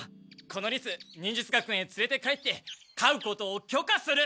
このリス忍術学園へつれて帰ってかうことをきょかする！